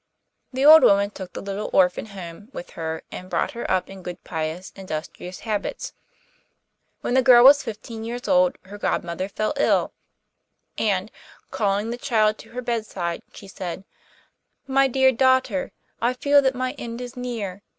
The old woman took the little orphan home with her and brought her up in good, pious, industrious habits. When the girl was fifteen years old, her godmother fell ill, and, calling the child to her bedside, she said: 'My dear daughter, I feel that my end is near.